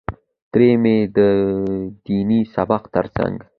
تره مې د ديني سبق تر څنګ.